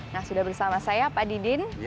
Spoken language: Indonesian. nah sudah bersama saya pak didin